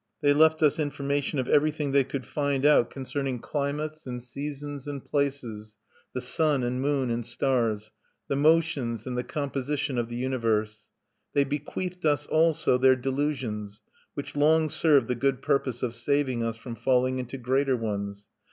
They left us information of everything they could find out concerning climates and seasons and places, the sun and moon and stars, the motions and the composition of the universe. They bequeathed us also their delusions which long served the good purpose of saving us from falling into greater ones.